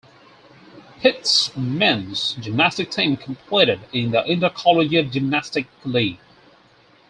Pitt's men's gymnastic team competed in the Intercollegiate Gymnastic League.